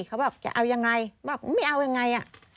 เขาบอกจะเอายังไงบอกไม่เอายังไง